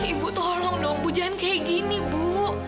ibu tolong dong bu jangan kayak gini bu